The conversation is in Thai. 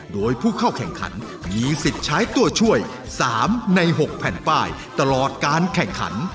โดยผู้เข้าแข่งขันมีสิทธิ์ใช้ตัวช่วย๓ใน๖แผ่นป้ายตลอดการแข่งขัน